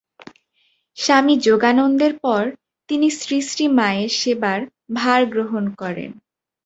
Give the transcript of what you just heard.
স্বামী যোগানন্দের পর তিনি শ্রীশ্রীমায়ের সেবার ভার গ্রহণ করেন।